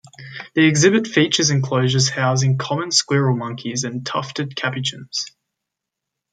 The exhibit features enclosures housing common squirrel monkeys and tufted capuchins.